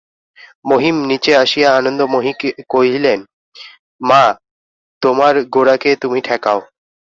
মহিম নীচে আসিয়া আনন্দময়ীকে কহিলেন, মা, তোমার গোরাকে তুমি ঠেকাও।